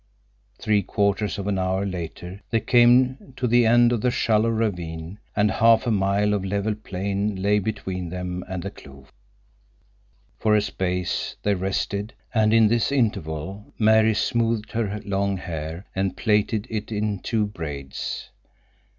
Three quarters of an hour later they came to the end of the shallow ravine, and half a mile of level plain lay between them and the kloof. For a space they rested, and in this interval Mary smoothed her long hair and plaited it in two braids.